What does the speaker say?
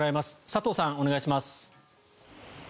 佐藤さん、お願いします。